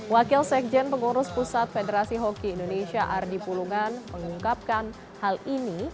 wakil sekjen pengurus pusat federasi hoki indonesia ardi pulungan mengungkapkan hal ini